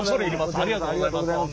ありがとうございます。